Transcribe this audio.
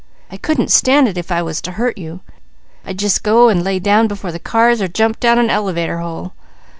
I couldn't stand it if I was to hurt you. I'd just go and lay down before the cars or jump down an elevator hole.